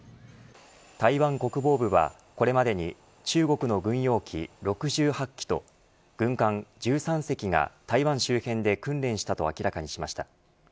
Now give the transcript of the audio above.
台湾国防部はこれまでに中国の軍用機６８機と軍艦１３隻が台湾周辺で訓練したと明らかにしました。